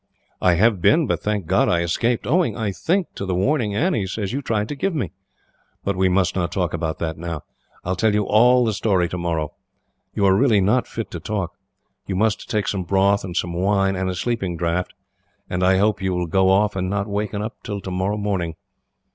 "I have been, but thank God I escaped; owing, I think, to the warning Annie says you tried to give me. But we must not talk about that now. I will tell you all the story tomorrow. You are not fit to talk. You must take some broth, and some wine, and a sleeping draught; and I hope you will go off, and not wake up till tomorrow morning.